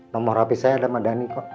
nomor hp saya ada sama dhani kok